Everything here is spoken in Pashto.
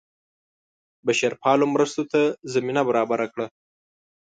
بشرپالو مرستو ته زمینه برابره کړه.